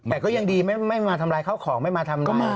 แต่ก็ยังดีไม่มาทำร้ายเข้าของไม่มาทำร้าย